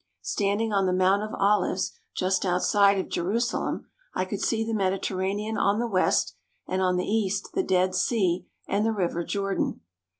Standing on the Mount of Olives, just outside of Jerusalem, I could see the Mediter ranean on the west and on the east the Dead Sea and the River Jordan.